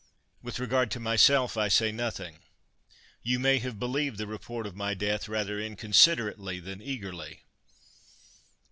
With regard to my self, I say nothing. You may have believed the report of my death rather inconsiderately than eagerly.